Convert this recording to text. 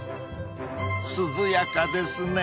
［涼やかですね］